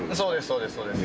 そうですそうです。